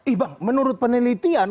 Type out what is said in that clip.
ih bang menurut penelitian